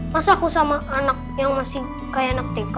masa aku sama anak yang masih kayak anak tk